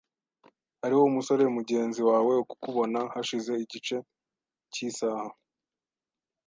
Hariho umusore mugenzi wawe kukubona hashize igice cyisaha .